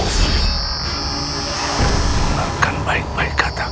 tidak ada apa apa